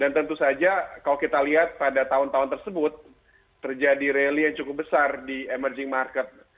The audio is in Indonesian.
dan tentu saja kalau kita lihat pada tahun tahun tersebut terjadi rally yang cukup besar di emerging market